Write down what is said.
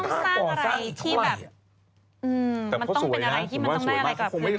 มันต้องเป็นอะไรที่ต้องได้อะไรกว่าเป็นมา